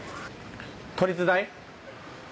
都立大？